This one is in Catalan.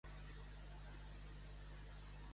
Que s'ho confiti.